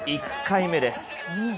１回目です。